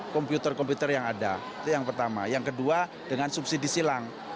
komputer komputer yang ada itu yang pertama yang kedua dengan subsidi silang